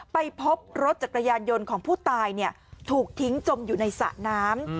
ไปพบรถจักรยานยนต์ของผู้ตายถูกทิ้งจมอยู่ในสระน้ำ